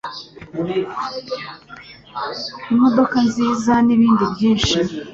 imodoka nziza n'ibindi byinshi